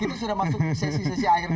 kita sudah masuk sesi sesi akhir